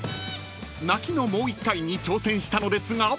［泣きのもう１回に挑戦したのですが］